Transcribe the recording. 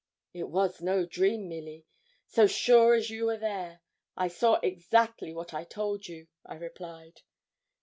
'It was no dream, Milly; so sure as you are there, I saw exactly what I told you,' I replied.